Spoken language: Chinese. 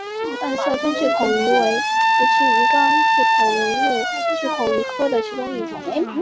暗色真巨口鱼为辐鳍鱼纲巨口鱼目巨口鱼科的其中一种。